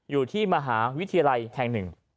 อยู่ที่มหาวิทยาลัยแท่ง๑